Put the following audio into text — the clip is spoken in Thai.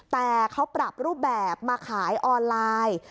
แต่เขาปรับรูปแบบมาขายออนไลน์